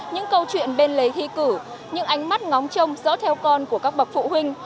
những câu chuyện bên lề thi cử những ánh mắt ngóng trông dỡ theo con của các bậc phụ huynh